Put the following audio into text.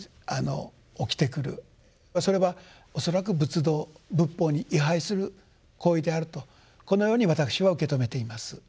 それは恐らく仏道仏法に違背する行為であるとこのように私は受け止めています。